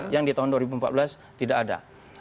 yang di tahun dua ribu empat belas tidak ada